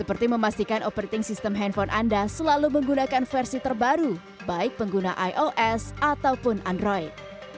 seperti memastikan operating sistem handphone anda selalu menggunakan versi terbaru baik pengguna ios ataupun android